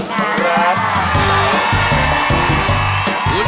ขอบคุณครับ